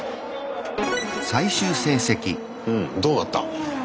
うんどうなった？